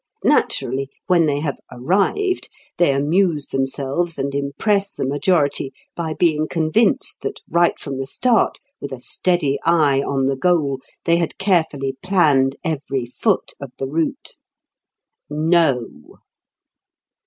Naturally when they have "arrived" they amuse themselves and impress the majority by being convinced that right from the start, with a steady eye on the goal, they had carefully planned every foot of the route. No!